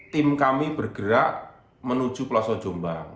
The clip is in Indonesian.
tim kami bergerak menuju pulau sojombang